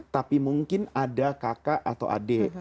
tapi mungkin ada kakak atau adik